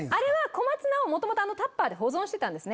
小松菜を元々あのタッパーで保存してたんです。